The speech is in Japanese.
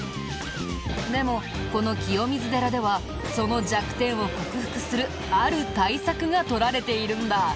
でもこの清水寺ではその弱点を克服するある対策が取られているんだ。